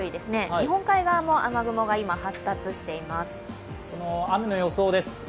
日本海側も雨雲が発達しています。